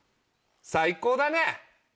最高だね！